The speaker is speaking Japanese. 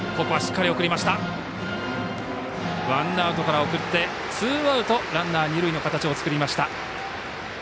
ワンアウトから送ってツーアウト、ランナー、二塁の形を作りました。